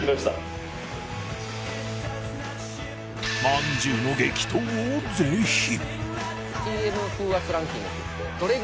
まんじゅうの激闘をぜひ！